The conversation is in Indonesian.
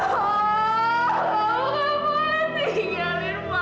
kamu gak boleh tinggalin papa